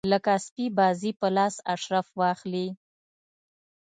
لکه سپي بازي په لاس اشراف واخلي.